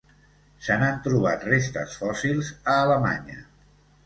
Se n'han trobat restes fòssils a Alemanya.